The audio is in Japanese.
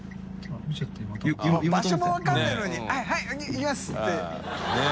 場所も分からないのにはい行きます」って。ねぇ。